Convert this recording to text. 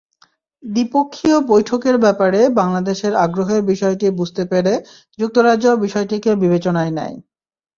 দ্বিপক্ষীয় বৈঠকের ব্যাপারে বাংলাদেশের আগ্রহের বিষয়টি বুঝতে পেরে যুক্তরাজ্য বিষয়টিকে বিবেচনায় নেয়।